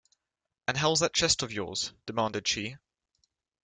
“And how’s that chest of yours?” demanded she.